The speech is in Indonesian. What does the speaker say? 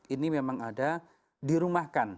ini memang ada dirumahkan